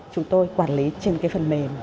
chúng tôi quản lý trên cái phần mềm